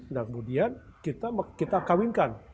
nah kemudian kita kawinkan